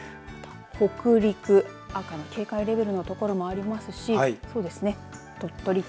北陸、赤の警戒レベルのところありますし鳥取県。